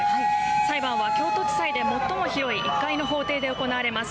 裁判は京都地裁で最も広い１階の法廷で行われます。